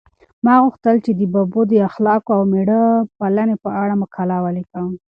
ما غوښتل چې د ببو د اخلاقو او مېړه پالنې په اړه مقاله ولیکم.